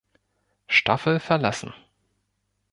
Staffel verlassen.